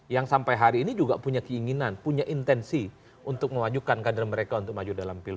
yang sampai hari ini juga punya keinginan punya intensi untuk memajukan kader mereka untuk maju dalam pilpres